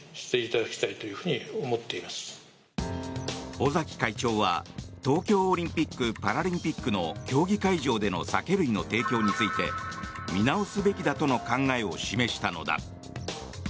尾崎会長は東京オリンピック・パラリンピックの競技会場での酒類の提供について見直すべきだとの考えを示したのだ。